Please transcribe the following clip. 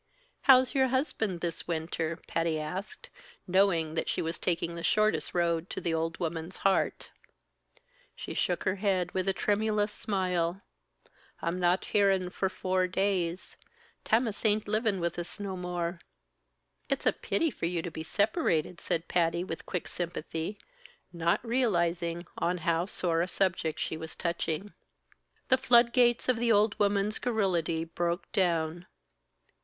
"How's your husband this winter?" Patty asked, knowing that she was taking the shortest road to the old woman's heart. She shook her head with a tremulous smile. "I'm not hearin' for four days. Tammas ain't livin' with us no more." "It's a pity for you to be separated!" said Patty, with quick sympathy, not realizing on how sore a subject she was touching. The flood gates of the old woman's garrulity broke down.